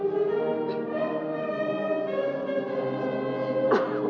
lagu kebangsaan indonesia raya